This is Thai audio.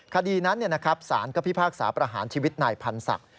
คดีนั้นเนี่ยนะครับสารกระพี่ภาคสาประหารชีวิตนายพันธุ์ศักดิ์